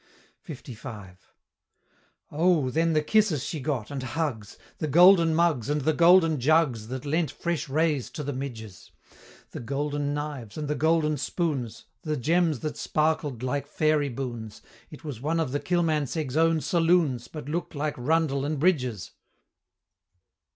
LV. Oh, then the kisses she got and hugs! The golden mugs and the golden jugs That lent fresh rays to the midges! The golden knives, and the golden spoons, The gems that sparkled like fairy boons, It was one of the Kilmansegg's own saloons, But looked like Rundell and Bridge's!